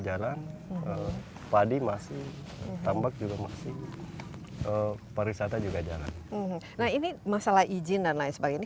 jalan padi masih tambak juga masih pariwisata juga jalan nah ini masalah izin dan lain sebagainya